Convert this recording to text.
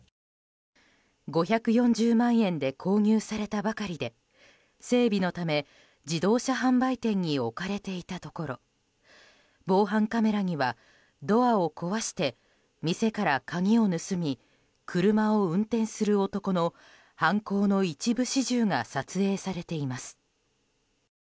５４０万円で購入されたばかりで整備のため、自動車販売店に置かれていたところ防犯カメラにはドアを壊して店から鍵を盗み車を運転する男の犯行の一部始終が撮影されています。